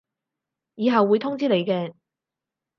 以後會通知你嘅